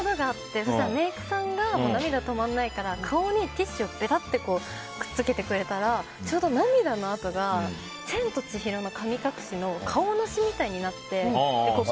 そしたらメイクさんが涙止まらないから顔にティッシュをべたってくっつけてくれたらちょうど涙の跡が「千と千尋の神隠し」のカオナシみたいになって。